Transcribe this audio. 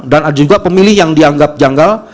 dan ada juga pemilih yang dianggap janggal